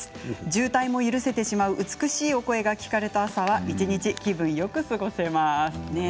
渋滞も許せてしまう美しいお声が聞かれた朝は一日気分よく過ごせます。